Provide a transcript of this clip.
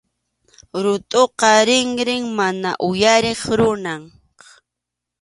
Ruqtʼuqa rinrin mana uyariq runam.